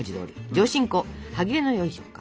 上新粉歯切れのよい食感。